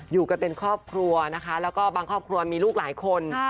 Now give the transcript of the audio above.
อยู่กันเป็นครอบครัวนะคะแล้วก็บางครอบครัวมีลูกหลายคน